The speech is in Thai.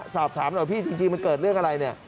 สอบถามหน่อยพี่จริงมันเกิดเรื่องอะไรเนี่ย